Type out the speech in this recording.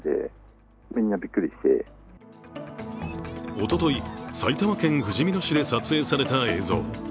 おととい、埼玉県ふじみ野市で撮影された映像。